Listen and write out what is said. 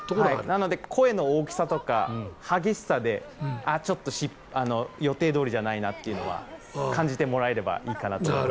なので声の大きさとか激しさでちょっと予定どおりじゃないなというのは感じてもらえればいいかなと。